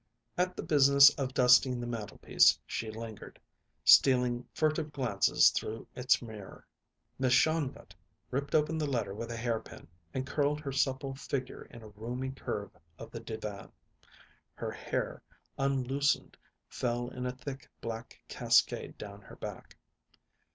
At the business of dusting the mantelpiece she lingered, stealing furtive glances through its mirror. Miss Shongut ripped open the letter with a hairpin and curled her supple figure in a roomy curve of the divan. Her hair, unloosened, fell in a thick, black cascade down her back.